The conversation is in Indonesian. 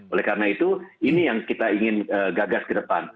oleh karena itu ini yang kita ingin gagas ke depan